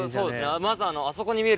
まずあそこに見える。